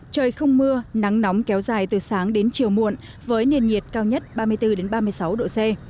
trời không mưa nắng nóng kéo dài từ sáng đến chiều muộn với nền nhiệt cao nhất ba mươi bốn ba mươi sáu độ c